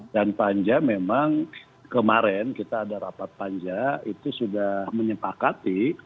dan panja memang kemarin kita ada rapat panja itu sudah menyepakati